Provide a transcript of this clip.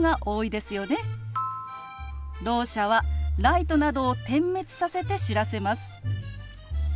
ろう者はライトなどを点滅させて知らせます。